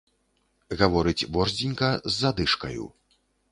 Гаворыць борздзенька з задышкаю.